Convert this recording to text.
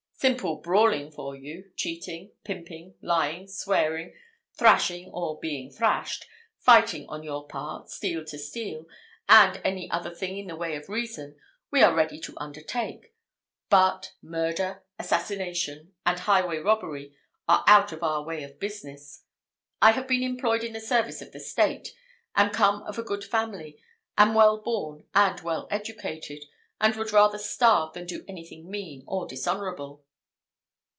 Simple brawling for you, cheating, pimping, lying, swearing, thrashing or being thrashed, fighting on your part, steel to steel, and any other thing in the way of reason, we are ready to undertake: but murder, assassination, and highway robbery, are out of our way of business. I have been employed in the service of the state, am come of a good family, am well born and well educated, and would rather starve than do anything mean or dishonourable."